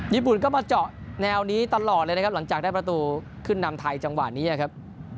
ญี่ปุ่นก็มาเจาะแนวนี้ตลอดเลยนะครับหลังจากได้ประตูขึ้นนำไทยจังหวะนี้ครับ